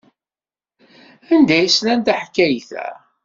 Anda ay slant taḥkayt-a?